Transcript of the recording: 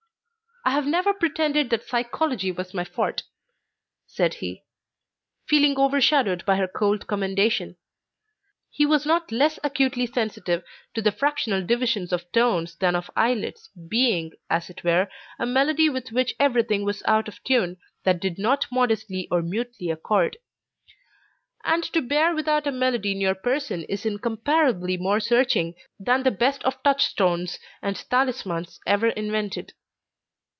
"I have never pretended that psychology was my forte," said he, feeling overshadowed by her cold commendation: he was not less acutely sensitive to the fractional divisions of tones than of eyelids, being, as it were, a melody with which everything was out of tune that did not modestly or mutely accord; and to bear about a melody in your person is incomparably more searching than the best of touchstones and talismans ever invented.